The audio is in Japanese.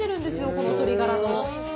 この鶏ガラの。